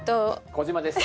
小島です。